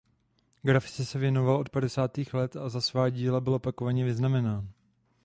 Grafice se věnoval od padesátých let a za svá díla byl opakovaně vyznamenán.